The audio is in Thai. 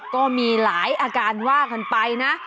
ก็มีหลายอาการว่ากันไปนะ